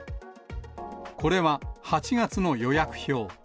これは、８月の予約表。